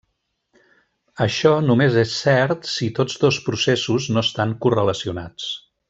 Això només és cert si tots dos processos no estan correlacionats.